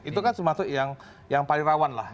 itu kan semacam yang paling rawan lah